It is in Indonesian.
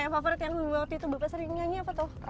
yang favorit yang waktu itu bapak sering nyanyi apa tuh